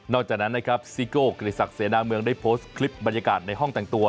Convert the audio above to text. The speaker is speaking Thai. นอกจากนั้นซีโกลกริษักเสียด้านเมืองได้โพสต์คลิปบรรยากาศในห้องต่างตัว